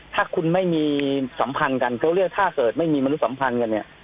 ถ้าคุณไม่มีสัมพันธ์กันเขาเรียกถ้าเกิดไม่มีมนุษย์สัมพันธ์กันเนี่ย